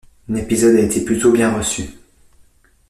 L'épisode a été plutôt bien reçu.